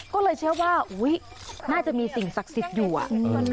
ก็เลยเชื่อว่าอุ้ยน่าจะมีสิ่งศักดิ์สิทธิ์อยู่อ่ะ